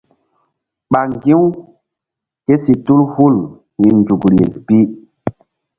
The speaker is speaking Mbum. Ɓa ŋgi̧ u ké si tul hul hi̧ nzukri pi.